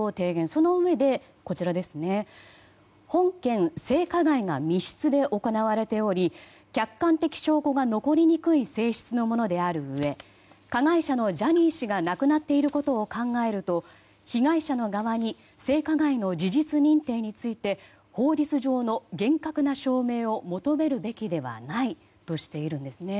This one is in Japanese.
そのうえで、本件性加害が密室で行われており客観的証拠が残りにくい性質のものであるうえ加害者のジャニー氏が亡くなっていることを考えると被害者の側に性加害の事実認定について法律上の厳格な証明を求めるべきではないとしています。